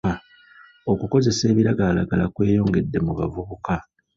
Okukozesa ebiragalalagala kweyongedde mu bavubuka.